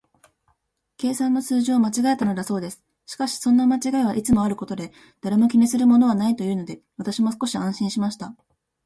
計算の数字を間違えたのだそうです。しかし、そんな間違いはいつもあることで、誰も気にするものはないというので、私も少し安心しました。